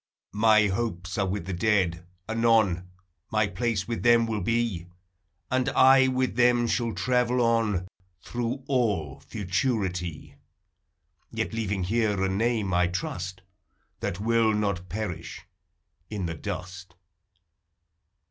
My hopes are with the dead; anon My place with them will be, And I with them shall travel on Through all futurity : Yet leaving here a name, I trust, That will not perish in the dust.